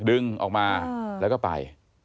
ดึงออกมาแล้วก็ไป